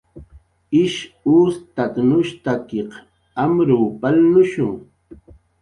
Ish ustatnushstakiq amurw palnushu